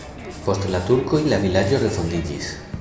Post la turkoj la vilaĝo refondiĝis.